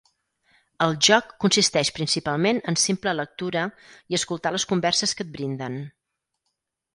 El joc consisteix principalment en simple lectura i escoltar les converses que et brinden.